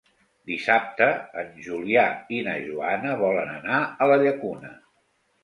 Dissabte en Julià i na Joana volen anar a la Llacuna.